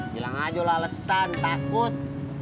bilang aja lah alasan takut